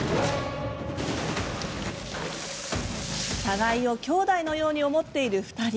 互いを兄弟のように思っている２人。